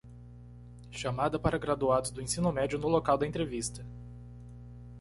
Chamada para graduados do ensino médio no local da entrevista